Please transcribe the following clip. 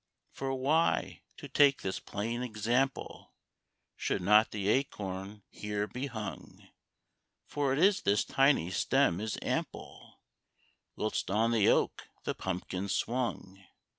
For why, to take this plain example, Should not the Acorn here be hung For it this tiny stem is ample Whilst on the oak the pumpkin swung?